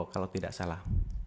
kalau tidak salah